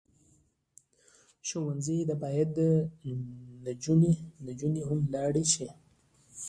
ښوونځی ته باید نجونې هم لاړې شي